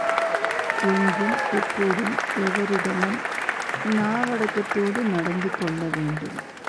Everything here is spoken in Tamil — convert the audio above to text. எங்கும், எப்போதும், எவரிடமும் நாவடக்கத்தோடு நடந்து கொள்ளவேண்டும்.